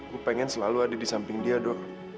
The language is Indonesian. gue pengen selalu ada di samping dia do